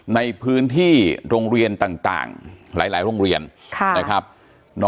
ในพื้นที่โรงเรียนต่างหลายโรงเรียนนะครับ